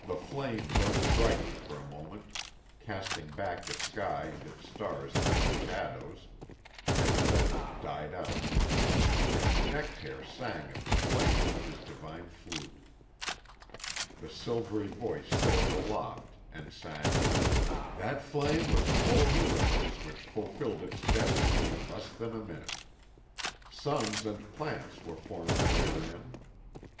The flame burnt brightly for a moment, casting back the sky and its stars into the shadows, and then died out. And Nectaire sang of the flame on his divine flute. The silvery voice soared aloft and sang: "That flame was a whole universe which fulfilled its destiny in less than a minute. Suns and planets were formed therein.